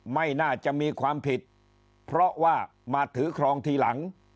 ไม่น่าจะมีความผิดเพราะว่ามาถือครองทีหลัง